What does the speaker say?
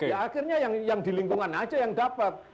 ya akhirnya yang di lingkungan aja yang dapat